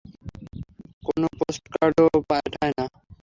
কোনো পোস্টকার্ডও পাঠায় না?